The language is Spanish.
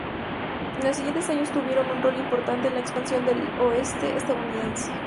En los siguientes años tuvieron un rol importante en la expansión del oeste estadounidense.